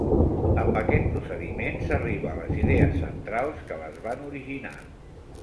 Amb aquest procediment, s'arriba a les idees centrals que les van originar.